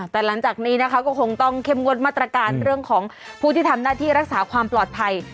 แต่หลังจากนี้นะคะก็คงต้องเข้มงวดมาตรการเรื่องของผู้ที่ทำหน้าที่รักษาความปลอดภัย